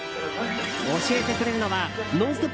教えてくれるのは「ノンストップ！」